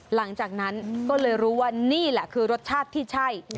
หลังจากนั้นก็เลยรู้ว่านี่แหละคือรสชาติที่ใช่